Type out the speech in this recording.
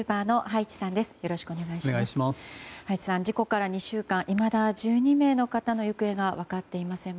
葉一さん、事故から２週間いまだ１２名の方の行方が分かっていません。